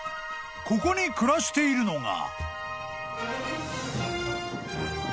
［ここに暮らしているのが］